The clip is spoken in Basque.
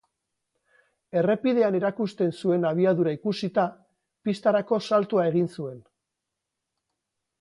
Errepidean erakusten zuen abiadura ikusita, pistarako saltoa egin zuen.